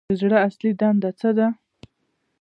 د زړه اصلي دنده څه ده